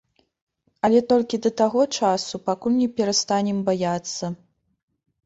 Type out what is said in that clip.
Але толькі да таго часу, пакуль не перастанем баяцца.